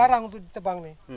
dilarang untuk ditebang